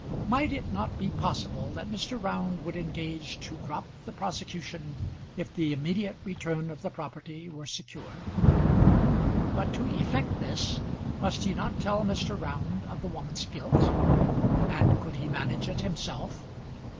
Might it not be possible that Mr. Round would engage to drop the prosecution if the immediate return of the property were secured? But to effect this must he not tell Mr. Round of the woman's guilt? And could he manage it himself?